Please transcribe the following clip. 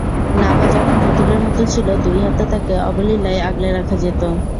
নাবা যখন পুতুলের মতো ছিল, দুই হাতে তাকে অবলীলায় আগলে রাখা যেত।